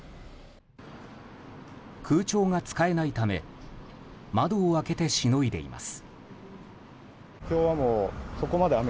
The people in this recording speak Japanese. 空調が使えないため窓を開けてしのいでいます。